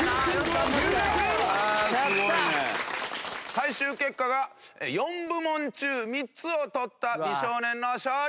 最終結果が４部門中３つをとった美少年の勝利！